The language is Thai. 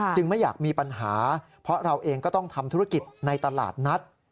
ไม่อยากมีปัญหาเพราะเราเองก็ต้องทำธุรกิจในตลาดนัด